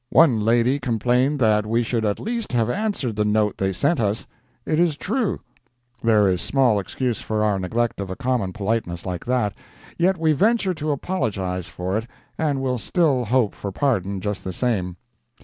One lady complained that we should at least have answered the note they sent us. It is true. There is small excuse for our neglect of a common politeness like that, yet we venture to apologize for it, and will still hope for pardon, just the same.